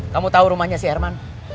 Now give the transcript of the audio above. kamu tahu rumahnya si herman